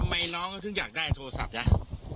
ทำไมน้องก็ถึงอยากได้โทรศัพท์เนี้ย